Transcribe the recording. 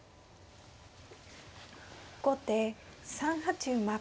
後手３八馬。